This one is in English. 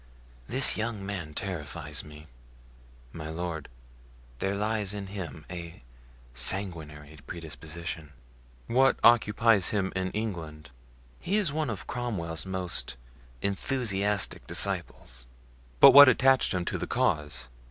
This young man terrifies me, my lord; there lies in him a sanguinary predisposition." "What occupies him in England?" "He is one of Cromwell's most enthusiastic disciples." "But what attached him to the cause?